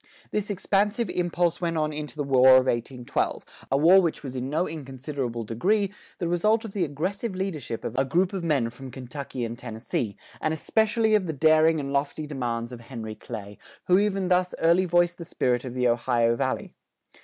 This expansive impulse went on into the War of 1812, a war which was in no inconsiderable degree, the result of the aggressive leadership of a group of men from Kentucky and Tennessee, and especially of the daring and lofty demands of Henry Clay, who even thus early voiced the spirit of the Ohio Valley.